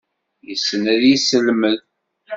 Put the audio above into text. Yessen ad yesselmed.